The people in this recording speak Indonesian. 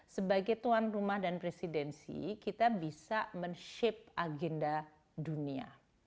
sebagai tuan rumah dan presidensi kita bisa men shape agenda dunia